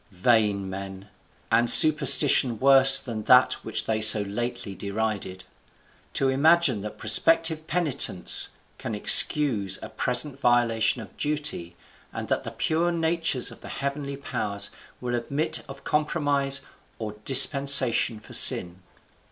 Vain men! and superstition worse than that which they so lately derided! to imagine that prospective penitence can excuse a present violation of duty, and that the pure natures of the heavenly powers will admit of compromise or dispensation for sin.